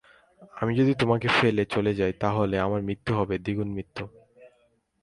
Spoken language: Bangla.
আমি যদি তোমাকে ফেলে আগে চলে যাই তা হলে আমার মৃত্যু হবে দ্বিগুণ মৃত্যু।